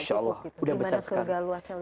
masya allah udah besar sekali